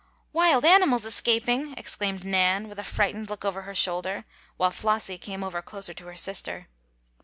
"Wild animals escaping!" exclaimed Nan, with a frightened look over her shoulder, while Flossie came over closer to her sister.